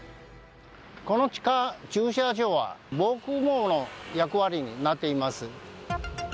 この地下駐車場は防空ごうの役割になっています。